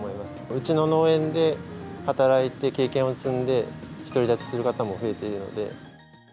うちの農園で働いて経験を積んで、独り立ちする方も増えているので。